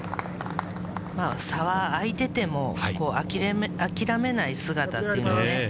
差は開いてても、諦めない姿っていうのがね。